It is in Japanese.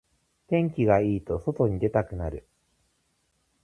天気がいいと外に出たくなる